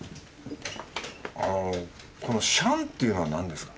あのこのシャンっていうのは何ですか？